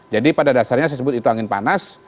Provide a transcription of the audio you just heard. jadi pada dasarnya saya sebut itu angin panas